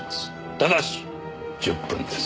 ただし１０分です。